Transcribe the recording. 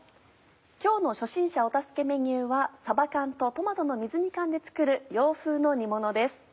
今日の初心者お助けメニューはさば缶とトマトの水煮缶で作る洋風の煮ものです。